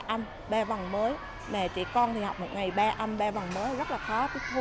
ba âm ba vòng mới mẹ chị con thì học một ngày ba âm ba vòng mới rất là khó